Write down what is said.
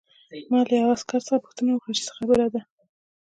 ما له یوه عسکر څخه پوښتنه وکړه چې څه خبره ده